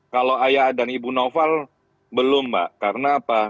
kalau ayah dan ibu noval belum mbak karena apa